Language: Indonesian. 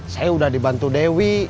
saya udah dibantu dewi